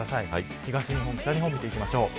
東日本、北日本見ていきましょう。